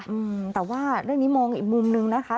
อืมแต่ว่าเรื่องนี้มองอีกมุมนึงนะคะ